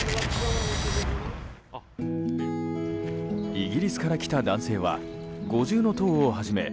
イギリスから来た男性は五重塔をはじめ